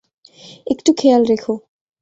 একটু খেয়াল রেখো।